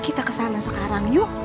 kita kesana sekarang yuk